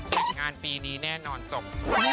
จัดงานปีนี้แน่นอนจบ